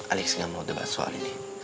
alex gak mau debat soal ini